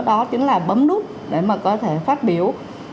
đó chính là bấm nút để mà có thể phát biểu